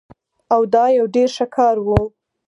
او دا يو ډير ښه کار وو